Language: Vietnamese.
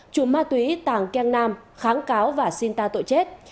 chủ ma túy tàng keng nam kháng cáo và xin ta tội chết